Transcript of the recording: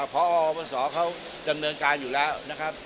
พอบศเขาดำเนินการอยู่แล้วนะครับ